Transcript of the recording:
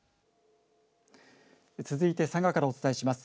続いて佐賀からお伝えします。